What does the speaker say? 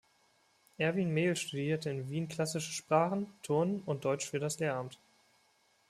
Erwin Mehl studierte in Wien klassische Sprachen, Turnen und Deutsch für das Lehramt.